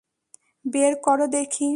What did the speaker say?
বের কর দেখি।